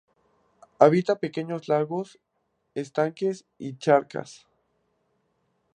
Habita pequeños lagos, estanques y charcas.